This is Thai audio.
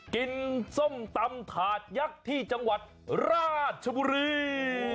ส้มตำถาดยักษ์ที่จังหวัดราชบุรี